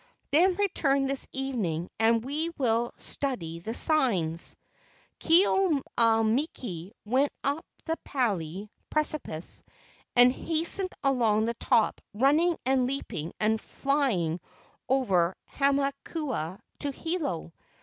Then return this evening and we will study the signs." Ke au miki went up the pali (precipice) and hastened along the top running and leaping and flying over Hamakua to Hilo.